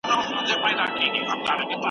تاسو په کابل کي کوم موزیم لیدلی دی؟